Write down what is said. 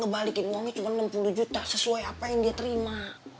balikin uangnya cuma enam puluh juta sesuai apa yang dia terima